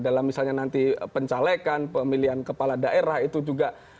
dalam misalnya nanti pencalekan pemilihan kepala daerah itu juga